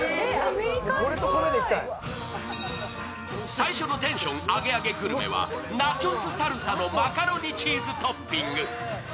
最初のテンションアゲアゲグルメはナチョスサルサのマカロニチーズトッピング。